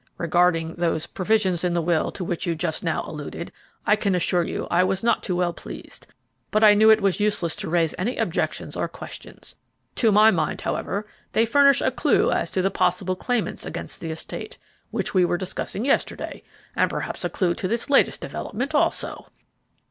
Regarding those provisions in the will to which you just now alluded, I can assure you I was not too well pleased; but I knew it was useless to raise any objections or questions; to my mind, however, they furnish a clue as to the possible claimants against the estate, which we were discussing yesterday, and perhaps a clue to this latest development, also."